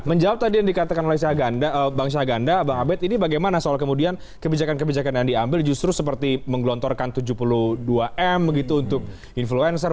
menjawab tadi yang dikatakan oleh bang syaganda bang abed ini bagaimana soal kemudian kebijakan kebijakan yang diambil justru seperti menggelontorkan tujuh puluh dua m untuk influencer